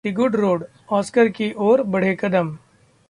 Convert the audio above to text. the good road: Oscar की ओर बढ़े कदम